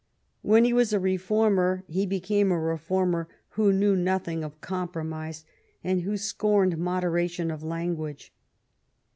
When he was a reformer he became a reformer who knew nothing of compromise and who scorned moderation of language.